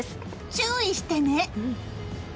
注意してね！